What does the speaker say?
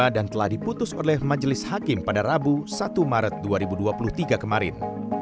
dan telah diputus oleh majelis hakim pada rabu satu maret dua ribu dua puluh tiga kemarin